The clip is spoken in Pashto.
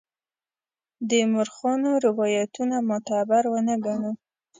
د مورخانو روایتونه معتبر ونه ګڼو.